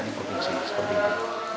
ini berpikir seperti itu